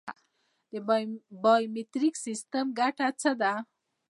د بایومتریک سیستم ګټه څه ده؟